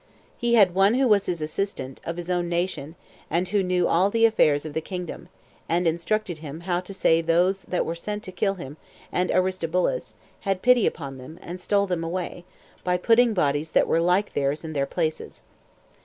He had one who was his assistant, of his own nation, and who knew all the affairs of the kingdom, and instructed him to say how those that were sent to kill him and Aristobulus had pity upon them, and stole them away, by putting bodies that were like theirs in their places.